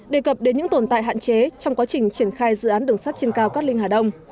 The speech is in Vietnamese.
đề cập đến những tồn tại hạn chế trong quá trình triển khai dự án đường sắt trên cao cát linh hà đông